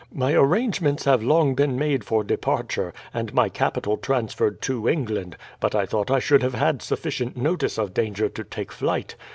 My arrangements have long been made for departure, and my capital transferred to England; but I thought I should have had sufficient notice of danger to take flight.